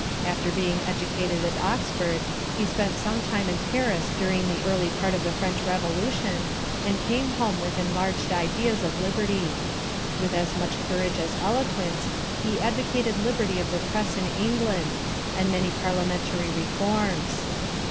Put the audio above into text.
After being educated at Oxford, he spent some time in Paris during the early part of the French Revolution, and came home with enlarged ideas of liberty. With as much courage as eloquence, he advocated liberty of the press in England, and many Parliamentary reforms.